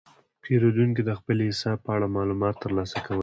پیرودونکي د خپل حساب په اړه معلومات ترلاسه کولی شي.